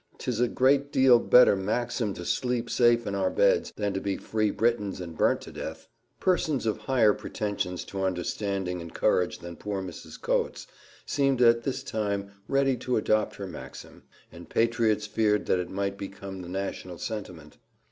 'tis a great deal better maxim to sleep safe in our beds than to be free Britons and burnt to death [Footnote: Vide Mrs. Piozzi's Letters.]." Persons of higher pretensions to understanding and courage than poor Mrs. Coates, seemed at this time ready to adopt her maxim; and patriots feared that it might become the national sentiment.